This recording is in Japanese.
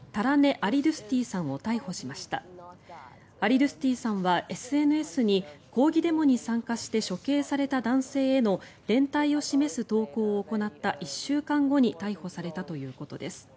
アリドゥスティさんは、ＳＮＳに抗議デモに参加して処刑された男性への連帯を示す投稿を行った１週間後に逮捕されたということです。